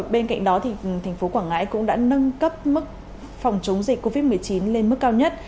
bên cạnh đó thành phố quảng ngãi cũng đã nâng cấp mức phòng chống dịch covid một mươi chín lên mức cao nhất